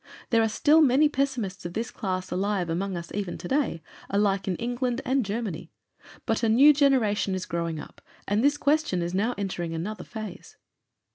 There are still many pessimists of this class alive among us even today, alike in England and Germany, but a new generation is growing up, and this question is now entering another phase."